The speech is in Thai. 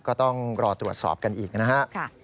ก็ต้องรอตรวจสอบกันอีกนะฮะ